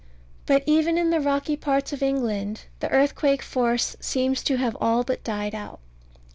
But even in the rocky parts of England the earthquake force seems to have all but died out.